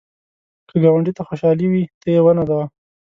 که ګاونډي ته خوشحالي وي، ته یې ونازوه